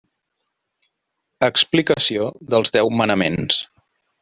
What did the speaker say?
Explicació dels deu manaments.